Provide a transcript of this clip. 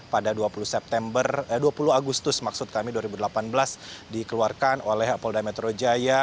pada dua puluh agustus maksud kami dua ribu delapan belas dikeluarkan oleh polda metro jaya